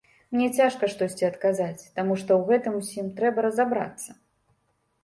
Мне цяжка штосьці адказаць, таму што ў гэтым усім трэба разабрацца.